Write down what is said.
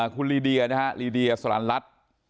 ครูลีเดียุรีเดียสลัลลัท